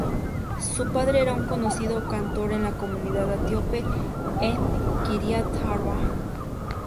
Su padre era un conocido cantor en la comunidad etíope en Kiryat Arba.